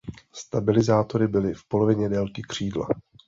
Stabilizátory byly v polovině délky křídla.